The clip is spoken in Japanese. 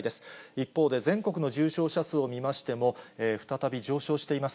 一方で全国の重症者数を見ましても、再び上昇しています。